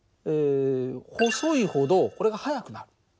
細いほどこれが速くなる。